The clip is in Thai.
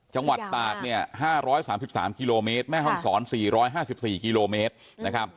จังหวัดตากเนี่ย๕๓๓กิโลเมตรแม่ห้องศร๔๕๔กิโลเมตรนะครับ